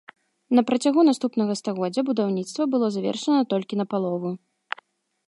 На працягу наступнага стагоддзя будаўніцтва было завершана толькі напалову.